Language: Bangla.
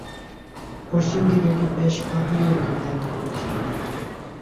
পশ্চিম দিকে এটি বেশ পাহাড়ি আকার ধারণ করেছে।